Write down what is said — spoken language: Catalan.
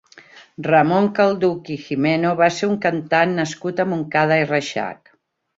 Ramon Calduch i Gimeno va ser un cantant nascut a Montcada i Reixac.